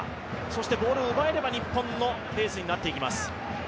そしてボールを奪えれば日本のペースになっていきます。